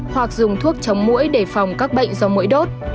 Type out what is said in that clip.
hoặc dùng thuốc chống mũi để phòng các bệnh do mũi đốt